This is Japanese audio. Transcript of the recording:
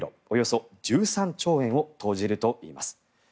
およそ１３兆円を投じるといいます。